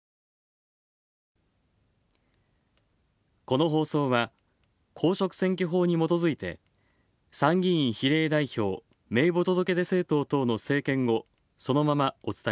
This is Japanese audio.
この放送は、公職選挙法にもとづいて参議院比例代表名簿届出政党等の政見をそのままお伝えしました。